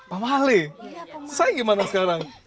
pemali saya gimana sekarang